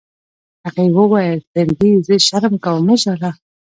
هغې وویل: فرګي، زه شرم کوم، مه ژاړه.